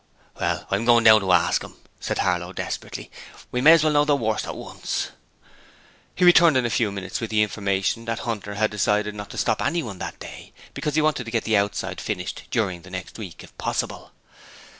'Well, I'm goin' down to ask 'im,' said Harlow, desperately. 'We may as well know the worst at once.' He returned in a few minutes with the information that Hunter had decided not to stop anyone that day because he wanted to get the outside finished during the next week, if possible.